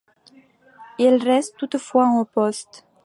Il reste toutefois en poste.